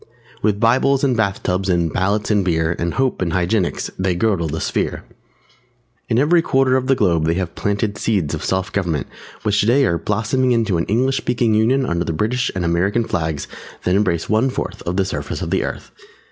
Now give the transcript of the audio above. With Bibles and Bathtubs And Ballots and Beer And Hope and Hygienics They girdle the Sphere. [Illustration: THE PRUDENTIAL HAS THE STRENGTH OF GIBRALTAR] In every quarter of the globe they have planted seeds of self government which today are blossoming into an English Speaking Union under the British and American Flags that embrace one fourth of the surface of the earth.